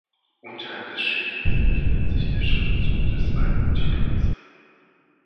Unterhalb des Schädels befindet sich der Schriftzug des Albumtitels.